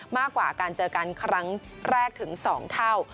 มากกว่าการเจอกันครั้งแรกถึง๒เท่า